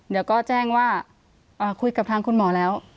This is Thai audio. เดี๋ยวก็แจ้งว่าคุยกับทางคุณหมอแล้ว